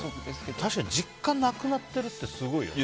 確かに実家なくなってるってすごいよね。